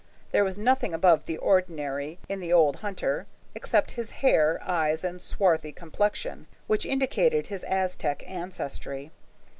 There was nothing above the ordinary in the old hunter, except his hair, eyes, and swarthy complexion, which indicated his Aztec ancestry.